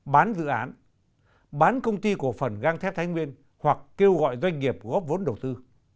bán dự án bán công ty cổ phần găng thép thái nguyên hoặc kêu gọi doanh nghiệp góp vốn đầu tư